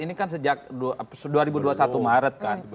ini kan sejak dua ribu dua puluh satu maret